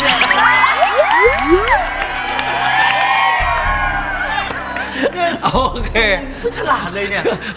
เฉล่าเราเลยเนี่ย